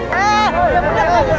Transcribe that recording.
eh yang belakang